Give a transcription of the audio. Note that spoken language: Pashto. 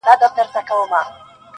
همدغه انا خپل بې انتها تخلیقي